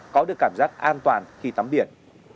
có được cảm giác an toàn khi tắm biển